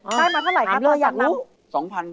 เออมาเท่าไรครับตอนจำนำอยากรู้อ๋อ